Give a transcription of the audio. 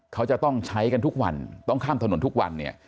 เขาจะต้องใช้กันทุกวันต้องข้ามถนนทุกวันเนี่ย